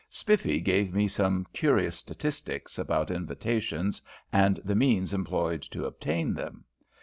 Spiffy gave me some curious statistics about invitations and the means employed to obtain them.